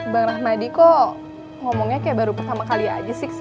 bang rahmadi kok ngomongnya kayak baru pertama kali aja sih